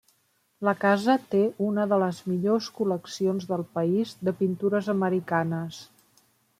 La casa té una de les millors col·leccions del país de pintures americanes.